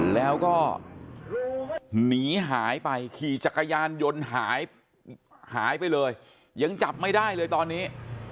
แล้วก็หนีหายไปขี่จักรยานยนต์หายไปเลยยังจับไม่ได้เลยตอนนี้